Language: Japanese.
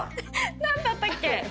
なんだったっけ？